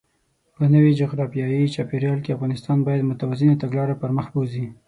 په نوي جغرافیايي چاپېریال کې، افغانستان باید متوازنه تګلاره پرمخ بوځي.